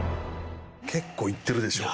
結構いってるでしょ。